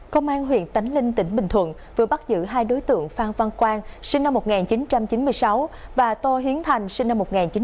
công an huyện tánh linh tỉnh bình thuận vừa bắt giữ hai đối tượng phan văn quang sinh năm một nghìn chín trăm chín mươi sáu